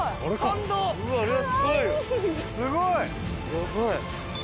やばい。